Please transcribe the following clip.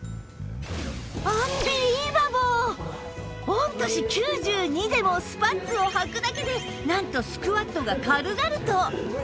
御年９２でもスパッツをはくだけでなんとスクワットが軽々と！